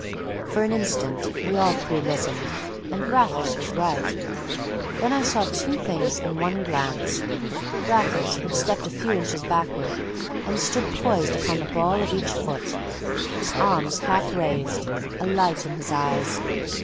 For an instant we all three listened; and Raffles was right. Then I saw two things in one glance. Raffles had stepped a few inches backward, and stood poised upon the ball of each foot, his arms half raised, a light in his eyes.